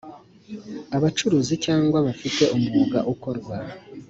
abacuruzi cyangwa bafite umwuga ukorwa